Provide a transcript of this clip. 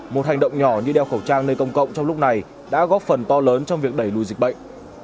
một hành động nhỏ như đeo khẩu trang nơi công cộng trong lúc này đã góp phần to lớn trong việc đẩy lùi dịch bệnh